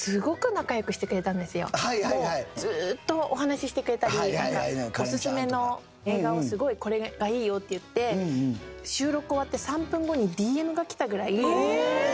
ずーっとお話ししてくれたりおすすめの映画をすごいこれがいいよって言って収録終わって３分後にＤＭが来たぐらい。